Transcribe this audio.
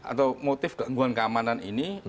atau motif gangguan keamanan ini